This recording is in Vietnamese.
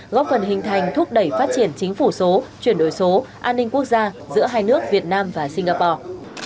góp phần hình thành thúc đẩy phát triển chính phủ số chuyển đổi số an ninh quốc gia giữa hai nước việt nam và singapore